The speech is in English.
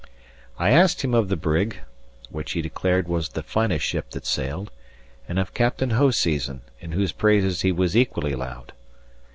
I asked him of the brig (which he declared was the finest ship that sailed) and of Captain Hoseason, in whose praises he was equally loud.